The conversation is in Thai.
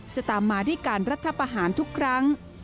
จะตามมาด้วยการรัฐประหารทุกครั้ง